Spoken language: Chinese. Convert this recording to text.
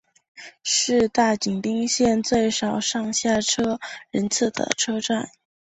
是大井町线最少上下车人次的车站。